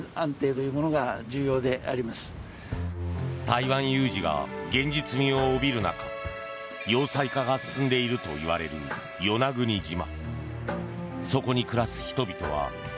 台湾有事が現実味を帯びる中要塞化が進んでいるといわれる与那国島。